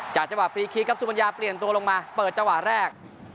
จังหวะฟรีคลิกครับสุปัญญาเปลี่ยนตัวลงมาเปิดจังหวะแรก